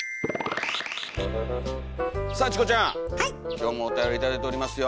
今日もおたより頂いておりますよ。